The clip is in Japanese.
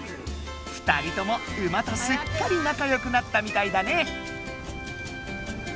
２人とも馬とすっかりなかよくなったみたいだね！